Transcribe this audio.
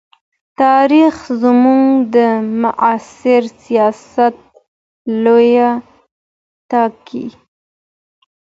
تاریخ زموږ د معاصر سیاست لوری ټاکي.